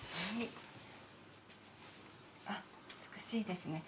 あっ美しいですね。